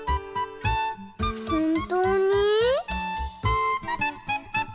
ほんとうに？